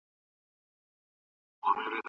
مور د ماشوم د خوړو پاکوالی ساتي.